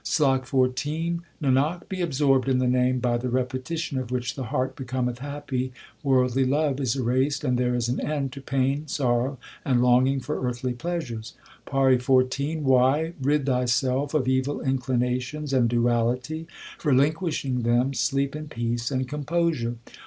SLOK XIV Nanak, be absorbed in the Name by the repetition of which the heart becometh happy, worldly love is erased, And there is an end to pain, sorrow, and longing for earthly pleasures. PAURI XIV Y. Rid thyself of evil inclinations and duality ; Relinquishing them sleep in peace and composure.